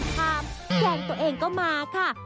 ห้ามแฟนตัวเองก็มาค่ะ